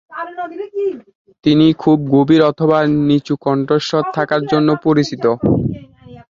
তিনি খুব গভীর অথবা নিচু কণ্ঠস্বর থাকার জন্য পরিচিত।